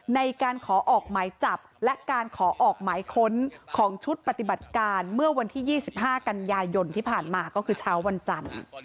ในการขอออกหมายจับและการขอออกหมายค้นของชุดปฏิบัติการเมื่อวันที่๒๕กันยายนที่ผ่านมาก็คือเช้าวันจันทร์